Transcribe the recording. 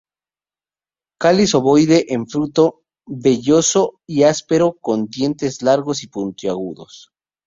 Cáliz ovoide en fruto, velloso y áspero, con dientes largos y puntiagudos.